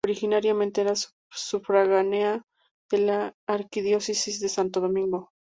Originariamente era sufragánea de la arquidiócesis de Santo Domingo.